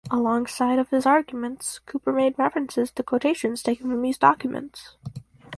Alongside of his arguments Cooper made references to quotations taken from these documents.